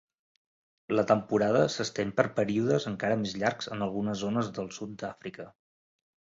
La temporada s'estén per períodes encara més llargs en algunes zones del sud d'Àfrica.